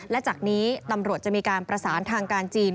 และจากนี้ตำรวจจะมีการประสานทางการจีน